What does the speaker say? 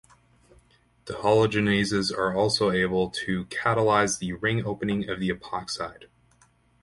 Dehalogenases are also able to catalyze the ring-opening of the epoxide.